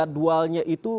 apakah dari jadwalnya itu